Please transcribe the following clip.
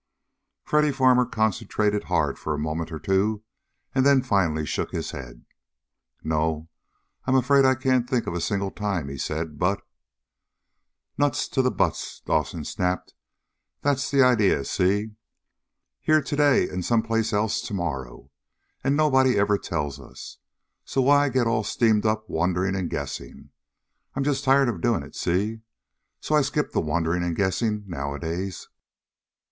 Freddy Farmer concentrated hard for a moment or two, and then finally shook his head. "No, I'm afraid I can't think of a single time," he said. "But " "Nuts to the buts!" Dawson snapped. "That's the idea, see? Here today, and some place else tomorrow. And nobody ever tells us. So why get all steamed up wondering and guessing? I'm just tired of doing it, see? So I skip the wondering and guessing, nowadays."